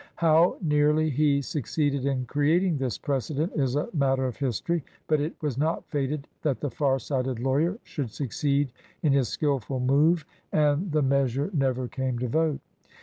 How nearly he succeeded in creat ing this precedent is a matter of history, but it was not fated that the far sighted lawyer should succeed in his skilful move, and the measure never came to vote.